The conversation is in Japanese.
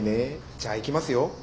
じゃあいきますよ。